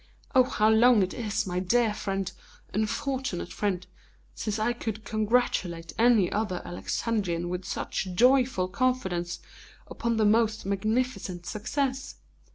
Oh, how long it is, my dear, unfortunate friend, since I could congratulate any other Alexandrian with such joyful confidence upon the most magnificent success!